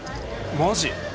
マジ？